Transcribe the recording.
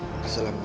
terus salam shai